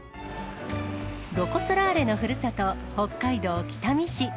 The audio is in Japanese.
ロコ・ソラーレのふるさと、北海道北見市。